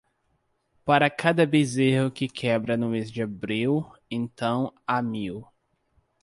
Para cada bezerro que quebra no mês de abril, então há mil.